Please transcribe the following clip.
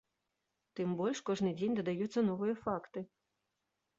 Тым больш, кожны дзень дадаюцца новыя факты.